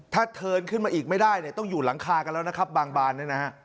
ถ้าเทินขึ้นมาอีกไม่ได้ต้องอยู่หลังคากันแล้วนะครับบางบาน